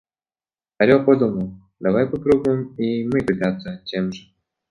Орел подумал: давай попробуем и мы питаться тем же.